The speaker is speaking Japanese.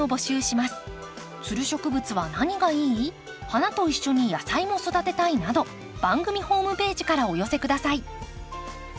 花と一緒に野菜も育てたいなど番組ホームページからお寄せ下さい。